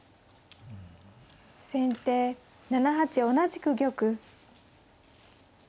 先手７八同じく玉。